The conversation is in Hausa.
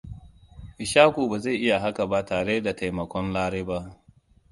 Ishaku ba zai iya haka ba tare da taimakon Lare ba.